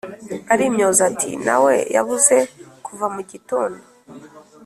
arimyoza ati"nawe yabuze kuva mugitondo